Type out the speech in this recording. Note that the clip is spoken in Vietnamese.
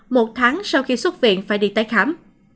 một tháng sau khi xuất viện phải đi tái khám